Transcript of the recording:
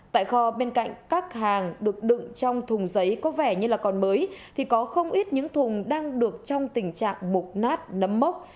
tại kho bên cạnh các hàng được đựng trong thùng giấy có vẻ như là còn mới thì có không ít những thùng đang được trong tình trạng mục nát nấm mốc